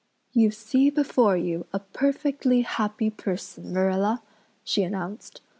"You see before you a perfectly happy person, Marilla," she announced.